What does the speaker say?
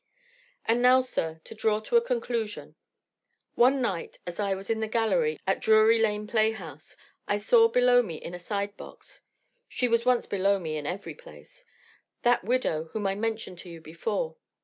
"And now, sir, to draw to a conclusion. One night, as I was in the gallery at Drury lane playhouse, I saw below me in a side box (she was once below me in every place), that widow whom I mentioned to you before.